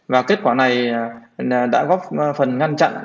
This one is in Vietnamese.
và kết quả này đã góp phần ngăn chặn